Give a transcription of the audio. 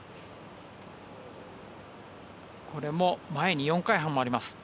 これも前に４回半あります。